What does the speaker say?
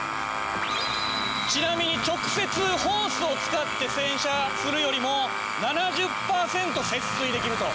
ちなみに直接ホースを使って洗車するよりも７０パーセント節水できると。